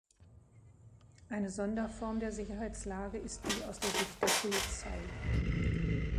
Eine Sonderform der Sicherheitslage ist die aus der Sicht der Polizei.